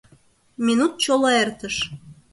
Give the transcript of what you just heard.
Минут чоло эртыш.